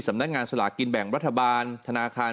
สำนักงานสลากินแบ่งรัฐบาลธนาคาร